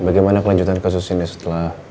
bagaimana kelanjutan kasus ini setelah